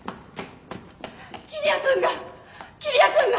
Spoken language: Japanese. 桐矢君が桐矢君が！